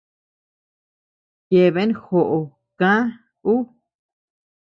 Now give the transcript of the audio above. Yeabean joʼo kä ú.